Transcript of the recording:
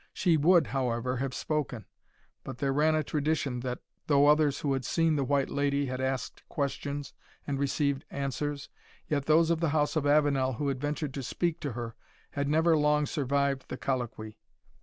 She would, however, have spoken; but there ran a tradition, that though others who had seen the White Lady had asked questions and received answers, yet those of the house of Avenel who had ventured to speak to her, had never long survived the colloquy.